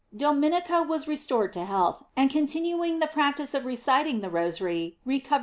Dominica was restored to health, and continuing the practice of reciting the Rosary, recovered * Diolall.